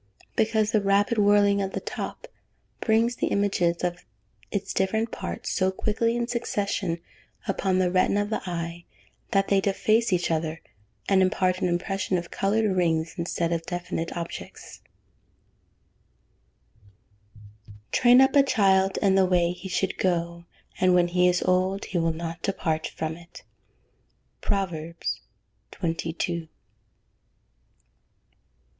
_ Because the rapid whirling of the top brings the images of its different parts so quickly in succession upon the retina of the eye, that they deface each other, and impart an impression of coloured rings, instead of definite objects. [Verse: "Train up a child in the way he should go; and when he is old, he will not depart from it." PROVERBS XXII.